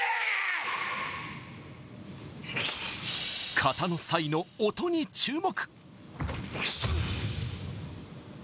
形の際の音に注目。